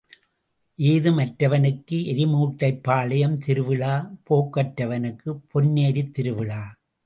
ஏதும் அற்றவனுக்கு எரிமுட்டைப் பாளையம் திருவிழா போக்கற்றவனுக்குப் பொன்னேரித் திருவிழா.